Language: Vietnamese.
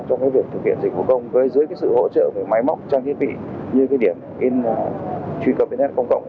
trong việc thực hiện dịch vụ công với dưới sự hỗ trợ về máy móc trang thiết bị như điểm in truy cập internet công cộng